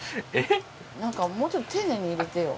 なんかもうちょっと丁寧に入れてよ。